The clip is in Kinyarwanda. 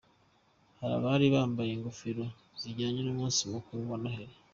Hari abari bambaye ingofero zijyanye n'umunsi mukuru wa Noheli.